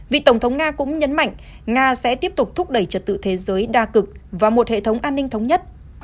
vị tổng thống nga cũng nhấn mạnh nga sẽ tiếp tục thúc đẩy trật tự thế giới đa cực và một hệ thống an ninh thống nhất